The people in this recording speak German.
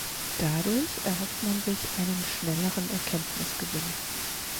Dadurch erhofft man sich einen schnelleren Erkenntnisgewinn.